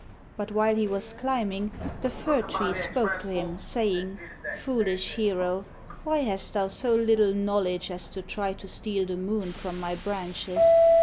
But, while he was climbing, the fir tree spoke to him, saying: 'Foolish hero, why hast thou so little knowledge as to try to steal the moon from my branches?'